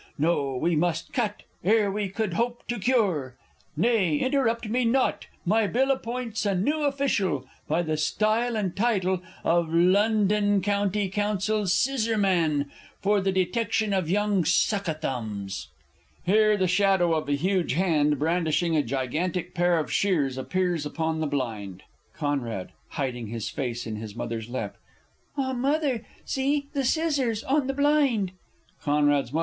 No; we must cut, ere we could hope to cure! Nay, interrupt me not; my Bill appoints A new official, by the style and title Of "London County Council Scissorman," For the detection of young "suck a thumbs." [Here the shadow of a huge hand brandishing a gigantic pair of shears appears upon the blind. Con. (hiding his face in his Mother's lap.) Ah, Mother, see!... the scissors!... On the blind! _C.'s M.